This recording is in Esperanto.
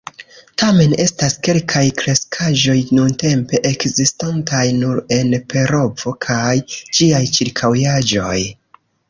Tamen estas kelkaj kreskaĵoj nuntempe ekzistantaj nur en Perovo kaj ĝiaj ĉirkaŭaĵoj.